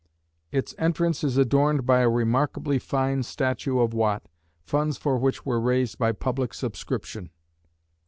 Its entrance is adorned by a remarkably fine statue of Watt, funds for which were raised by public subscription.